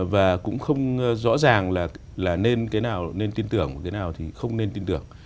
và cũng không rõ ràng là nên cái nào nên tin tưởng cái nào thì không nên tin tưởng